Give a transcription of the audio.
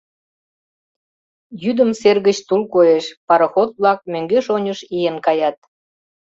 Йӱдым сер гыч тул коеш, пароход-влак мӧҥгеш-оньыш ийын каят.